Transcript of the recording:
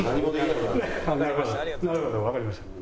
なるほどわかりました。